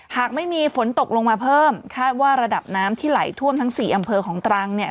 หากไม่มีฝนตกลงมาเพิ่มคาดว่าระดับน้ำที่ไหลท่วมทั้งสี่อำเภอของตรังเนี่ย